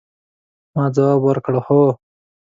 ما ځواب ورکړ، هو.